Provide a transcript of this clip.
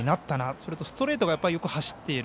それとストレートがよく走っている。